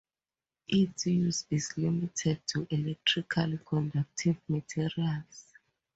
Its use is limited to electrically conductive materials.